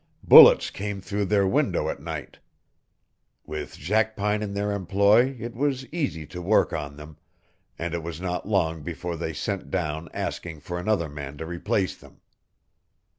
Bullets came through their window at night. With Jackpine in their employ it was easy to work on them, and it was not long before they sent down asking for another man to replace them."